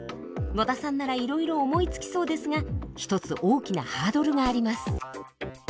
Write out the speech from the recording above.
野田さんならいろいろ思いつきそうですが一つ大きなハードルがあります。